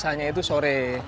cuma biasanya itu sore